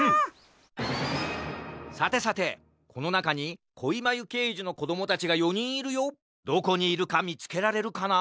さてさてこのなかにこいまゆけいじのこどもたちが４にんいるよ。どこにいるかみつけられるかな？